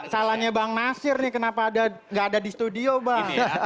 salahnya bang nasir nih kenapa gak ada di studio bang